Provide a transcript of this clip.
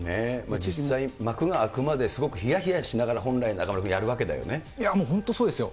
実際、幕が開くまですごくひやひやしながら、本来、中丸君、やるわけで本当、そうですよ。